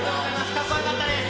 かっこよかったです。